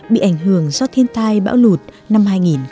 bị ảnh hưởng do thiên tai bão lụt năm hai nghìn một mươi bảy